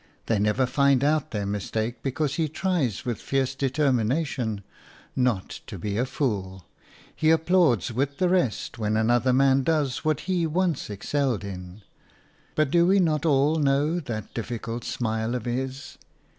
They never find out their mistake because he tries with fierce determination "not to be a fool"; he applauds with the rest when another man does what he once excelled in; but do we not all know that difficult smile of his?